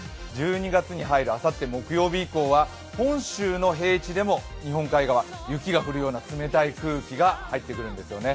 １２月に入るあさって木曜日以降は本州の平地でも日本海側、雪が降るような冷たい空気が入ってくるんですね。